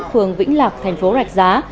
phường vĩnh lạc thành phố rạch giá